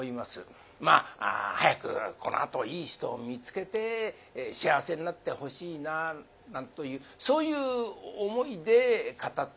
まあ早くこのあといい人を見つけて幸せになってほしいなあなんというそういう思いで語っております。